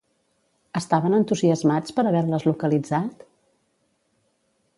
Estaven entusiasmats per haver-les localitzat?